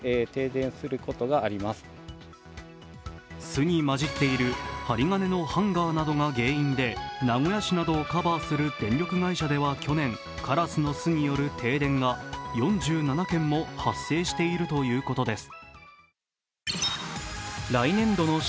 巣に混じっている針金のハンガーなどが原因で名古屋市などカバーする電力会社では去年カラスの巣による停電が４７件も発生しているということです。